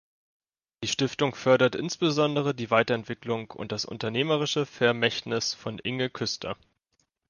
Die Stiftung fördert insbesondere die Weiterentwicklung und das unternehmerische Vermächtnis von Inge Küster.